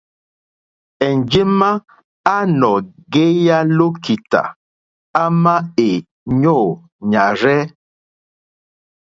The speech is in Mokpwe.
Enjema a nɔ̀ŋgeya lokità, àma è nyoò yàrzɛ.